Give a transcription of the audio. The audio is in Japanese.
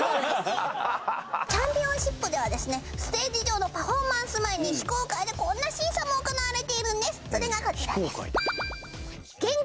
チャンピオンシップではですねステージ上のパフォーマンス前に行われているんですそれがこちらです